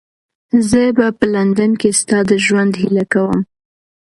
زه به په لندن کې ستا د ښه ژوند هیله کوم.